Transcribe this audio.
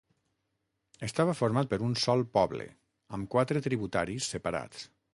Estava format per un sol poble amb quatre tributaris separats.